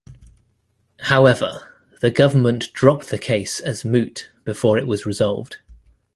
However, the government dropped the case as moot before it was resolved.